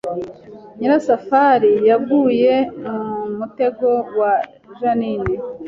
Nyirasafari yaguye mu mutego wa Jeaninne